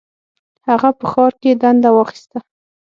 هغه په ښار کې دنده واخیسته.